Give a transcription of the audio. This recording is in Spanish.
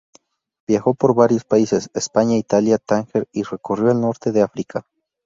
Viajó por varios países: España, Italia, Tánger y recorrió el norte de África.